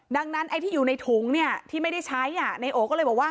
ดังนั้นไอ้ที่อยู่ในถุงเนี่ยที่ไม่ได้ใช้ในโอก็เลยบอกว่า